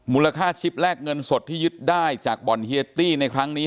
ชิปแรกเงินสดที่ยึดได้จากบ่อนเฮียตี้ในครั้งนี้